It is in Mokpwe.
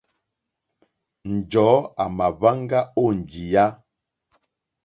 Njɔ̀ɔ́ à mà hwáŋgá ó njìyá.